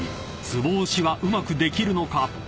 ［つぼ押しはうまくできるのか？］